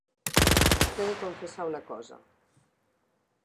T'he de confessar una cosa.